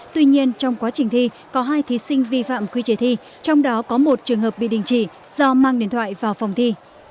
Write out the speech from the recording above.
tuy nhiên trong quá trình thi có hai thí sinh vi phạm quy chế thi trong đó có một trường hợp bị đình chỉ do mang điện thoại vào phòng thi